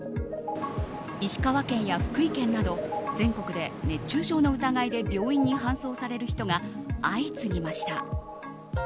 石川県や福井県など全国で熱中症の疑いで病院に搬送される人が相次ぎました。